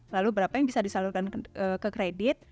lalu berapa yang bisa disalurkan ke kredit